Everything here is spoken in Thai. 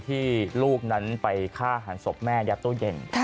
ที่ลูกนั้นไปฆ่าหันศพแม่ยัดตู้เย็น